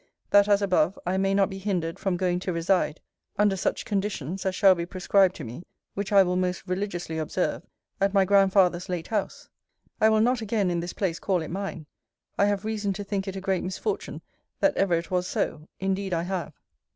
That, as above, I may not be hindered from going to reside (under such conditions as shall be prescribed to me, which I will most religiously observe) at my grandfather's late house. I will not again in this place call it mine. I have reason to think it a great misfortune that ever it was so indeed I have.